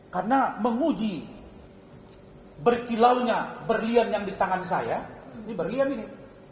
karena menguji berkilau nya berlian yang di tangan saya ini berlian ini